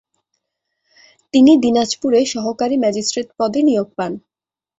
তিনি দিনাজপুরে সহকারী ম্যাজিস্ট্রেট পদে নিয়োগ পান।